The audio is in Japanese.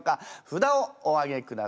札をお上げください。